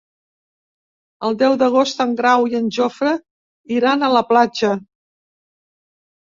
El deu d'agost en Grau i en Jofre iran a la platja.